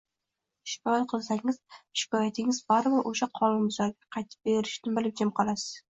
shikoyat qilsangiz shikoyatingiz baribir o‘sha qonunbuzarga qaytib kelishini bilib, jim qolasiz.